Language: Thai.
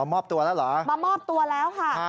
อ้าวมอบตัวแล้วเหรอครับมามอบตัวแล้วค่ะ